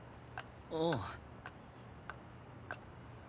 ああ。